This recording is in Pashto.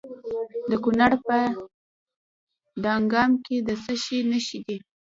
د کونړ په دانګام کې د څه شي نښې دي؟